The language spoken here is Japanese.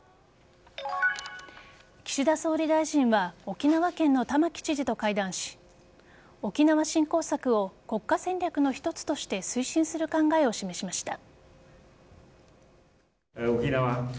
岸田総理大臣は沖縄県の玉城知事と会談し沖縄振興策を国家戦略の一つとして推進する考えを示しました。